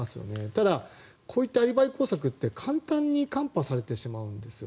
ただ、こういったアリバイ工作って簡単に看破されてしまうんですよ。